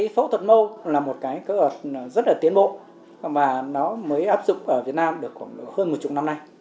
và cái phẫu thuật mose là một cái cơ hội rất là tiến bộ và nó mới áp dụng ở việt nam được khoảng hơn một chục năm nay